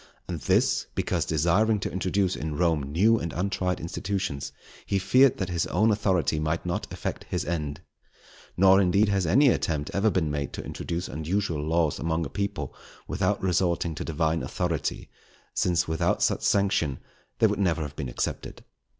And this, because desiring to introduce in Rome new and untried institutions, he feared that his own authority might not effect his end. Nor, indeed, has any attempt ever been made to introduce unusual laws among a people, without resorting to Divine authority, since without such sanction they never would have been accepted.